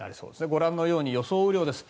ご覧のように予想雨量です。